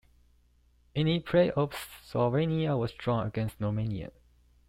In the playoffs, Slovenia was drawn against Romania.